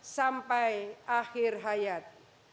sampai akhir hayat